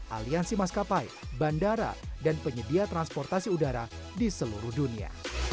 aliansi maskapai bandara dan penyedia transportasi udara di seluruh dunia